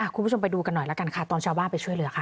คุณผู้ชมไปดูกันหน่อยละกันค่ะตอนชาวบ้านไปช่วยเหลือค่ะ